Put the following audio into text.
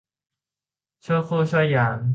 ชั่วครู่ชั่วยาม